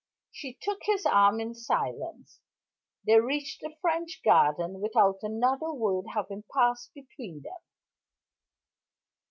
She took his arm in silence. They reached the French Garden without another word having passed between them.